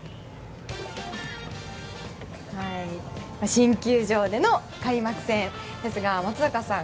新球場での開幕戦ですが松坂さん